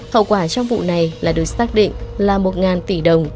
hậu quả trong vụ này lại được xác định là một tỷ đồng